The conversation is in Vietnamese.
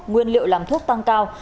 nguyên liệu làm thuốc tăng cao